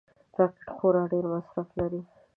راکټ خورا ډېر مصرف لري